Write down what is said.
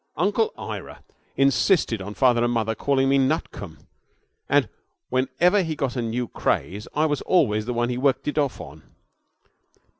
Uncle Ira insisted on father and mother calling me Nutcombe; and whenever he got a new craze I was always the one he worked it off on.